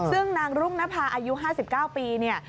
ซึ่งนางรุ่งนภาพอายุ๕๙ปี